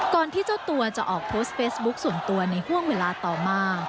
ที่เจ้าตัวจะออกโพสต์เฟซบุ๊คส่วนตัวในห่วงเวลาต่อมา